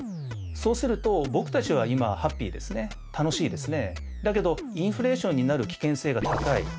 そうすると僕たちは今ハッピーですね楽しいですねだけどインフレーションになる危険性が高い。